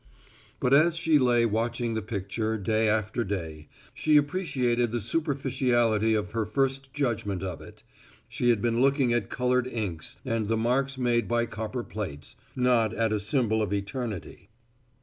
But as she lay watching the picture day after day, she appreciated the superficiality of her first judgment of it. She had been looking at colored inks and the marks made by copper plates, not at a symbol of eternity.